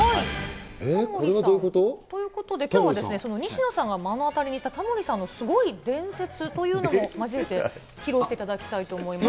これはどういうこと？ということで、きょうは西野さんが目の当たりにしたタモリさんのスゴイ伝説というのも交えて披露していただきたいと思います。